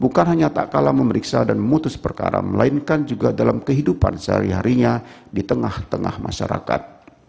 bukan hanya tak kalah memeriksa dan memutus perkara melainkan juga dalam kehidupan sehari harinya di tengah tengah masyarakat